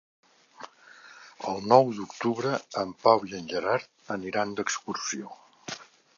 El nou d'octubre en Pau i en Gerard aniran d'excursió.